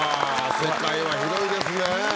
世界は広いですね。